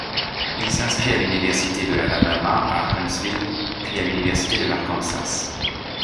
Il s'inscrit à l'Université de l'Alabama à Huntsville, puis à l'Université de l'Arkansas.